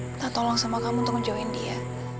minta tolong sama kamu untuk ngejoin dia